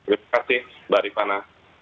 terima kasih mbak rifana